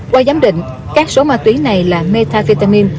qua giám định các số ma túy này là metafetamin